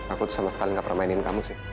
aku tuh sama sekali nggak pernah mainin kamu sih